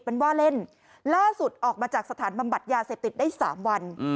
เป็นว่าเล่นล่าสุดออกมาจากสถานบำบัดยาเสพติดได้สามวัน